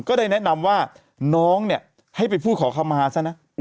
ก็ได้แนะนำว่าน้องเนี่ยให้ไปพูดขอคำมาซะนะ